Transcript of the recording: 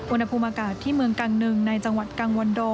อุณหภูมิอากาศที่เมืองกังหนึ่งในจังหวัดกังวันโด